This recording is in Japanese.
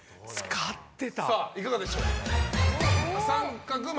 いかがでしょう。